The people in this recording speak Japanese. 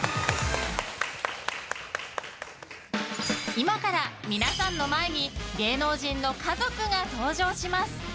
今から皆さんの前に芸能人の家族が登場します。